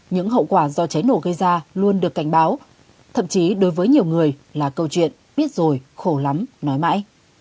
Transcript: những hậu quả do cháy nổ gây ra luôn được cảnh báo thậm chí đối với nhiều người là câu chuyện biết rồi khổ lắm nói mãi